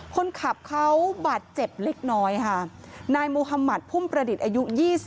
คนขับเขาบาดเจ็บเล็กน้อยค่ะนายมุธมัติพุ่มประดิษฐ์อายุ๒๐